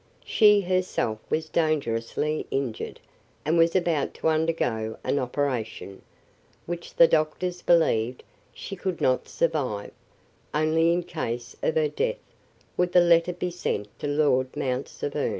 She herself was dangerously injured, and was about to undergo an operation, which the doctors believed she could not survive; only in case of her death would the letter be sent to Lord Mount Severn.